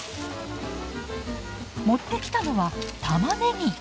持ってきたのはたまねぎ。